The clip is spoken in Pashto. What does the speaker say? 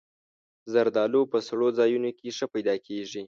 زردالو په سړو ځایونو کې ښه پیدا کېږي.